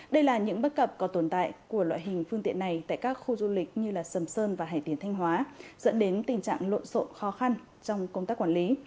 đây là những bất cập còn tồn tại của loại hình phương tiện này tại các khu du lịch như sầm sơn và hải tiến thanh hóa dẫn đến tình trạng lộn xộn khó khăn trong công tác quản lý